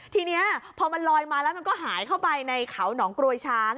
ทีนี้พอมันลอยมาแล้วมันก็หายเข้าไปในเขาหนองกรวยช้าง